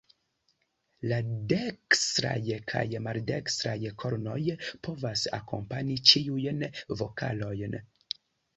La dekstraj kaj maldekstraj kornoj povas akompani ĉiujn vokalojn.